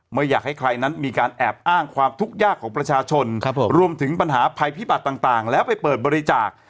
ไม่อยากให้ใครนั้นมีการแอบอ้างความทุกข์ยากของประชาชนรวมถึงปัญหาภัยพิบัติต่างแล้วไปเปิดบริจาค